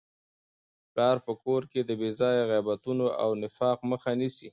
پلار په کور کي د بې ځایه غیبتونو او نفاق مخه نیسي.